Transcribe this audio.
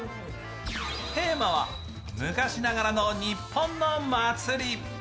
テーマは昔ながらの日本の祭り。